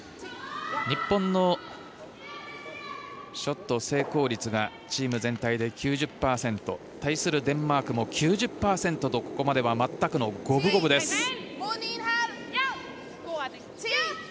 日本のショット成功率がチーム全体で９０％。対するデンマークも９０％とここまでは全くの五分五分です。